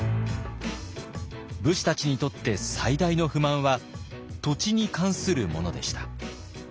武士たちにとって最大の不満は土地に関するものでした。